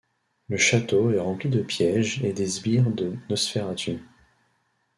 Le château est rempli de pièges et des sbires de Nosferatu.